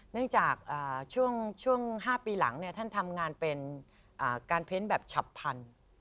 เนื่องจากช่วง๕ปีหลังท่านทำงานเป็นการเพ้นแบบฉับพันธุ์